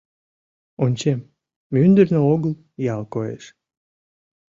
Ончем: мӱндырнӧ огыл ял коеш.